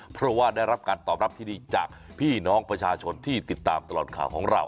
เพราะว่าได้รับการตอบรับที่ดีจากพี่น้องประชาชนที่ติดตามตลอดข่าวของเรา